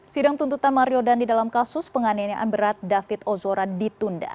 sidang tuntutan mario dandi dalam kasus penganiayaan berat david ozora ditunda